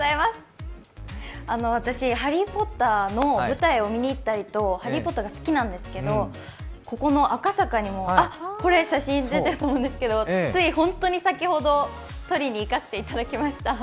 私、「ハリー・ポッター」の舞台を見に行ったりと「ハリー・ポッター」が好きなんですけど、これ、写真出ているんですけど、ついホントに先ほど撮りにいかせていただきました。